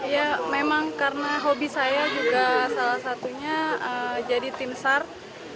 ya memang karena hobi saya juga salah satunya jadi tim sars